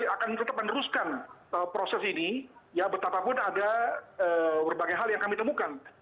akan tetap meneruskan proses ini ya betapapun ada berbagai hal yang kami temukan